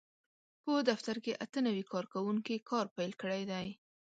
په دفتر کې اته نوي کارکوونکي کار پېل کړی دی.